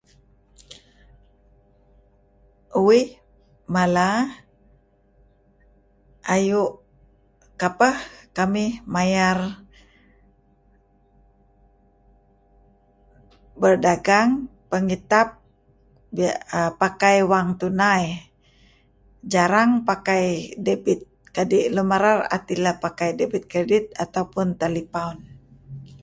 Uih mala ayu' kapeh kamih mayar berdagang pengitap err pakai wang tunai jarang pakai debit kadi' lun merar et ilah pakai debit credit ataupun telepaun.